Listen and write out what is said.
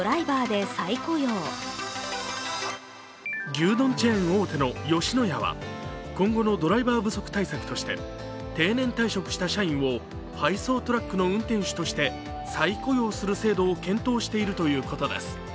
牛丼チェーン大手の吉野家は今後のドライバー不足対策として定年退職した社員を配送トラックの運転手として再雇用する制度を検討しているということです。